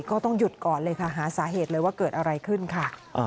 ก็ต้องหยุดก่อนเลยค่ะหาสาเหตุเลยว่าเกิดอะไรขึ้นค่ะ